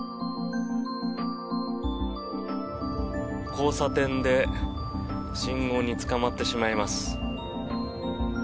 交差点で信号につかまってしまいます。